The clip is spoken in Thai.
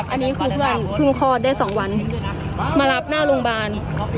อันนี้คือเพื่อนเพิ่งคลอดได้๒วันมารับหน้าโรงพยาบาล